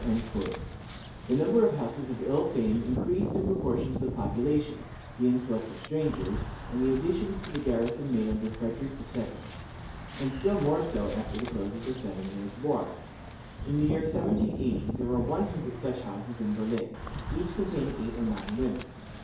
The number of houses of ill fame increased in proportion to the population, the influx of strangers, and the additions to the garrison made under Frederick II.; and still more so after the close of the seven years' war. In the year 1780, there were one hundred such houses in Berlin, each containing eight or nine women.